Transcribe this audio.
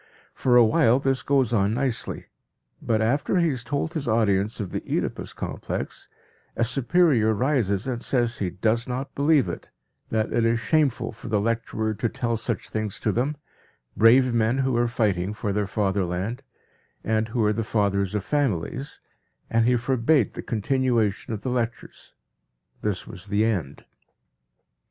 For a while this goes on nicely, but after he has told his audience of the Oedipus complex, a superior rises and says he does not believe it, that it is shameful for the lecturer to tell such things to them, brave men who are fighting for their fatherland, and who are the fathers of families, and he forbade the continuation of the lectures. This was the end.